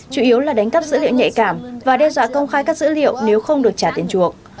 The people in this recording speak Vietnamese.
chủ yếu là đánh cắp dữ liệu nhạy cảm và đe dọa công khai các dữ liệu nếu không được trả tiền chuộc